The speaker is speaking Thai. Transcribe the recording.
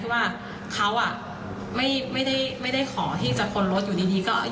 เขาทำทำไมเพราะเราก็รู้สึกหวัดกลัวอย่างนี้ค่ะ